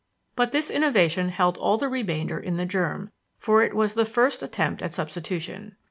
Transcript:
but this innovation held all the remainder in the germ, for it was the first attempt at substitution.